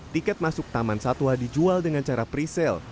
tiket masuk taman satwa dijual dengan cara presale